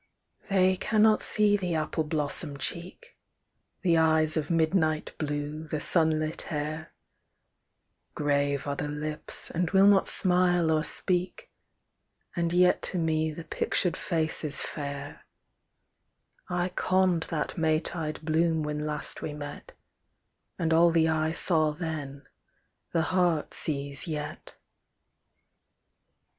The) cannot see the apple blossom cheek, The eyes of ;midnight blue, the sun lit hair ; Cirave are the lips, and will not smile or speak : And yet to me the pictured face is fair : I conned that May tide bloom when last we met, And all the eye saw then, the heart sees yet.